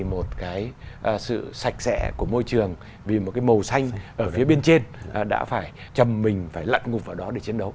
một cái sự sạch sẽ của môi trường vì một cái màu xanh ở phía bên trên đã phải chầm mình phải lặn ngục vào đó để chiến đấu